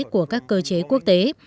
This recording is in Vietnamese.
của các cơ chế quốc tế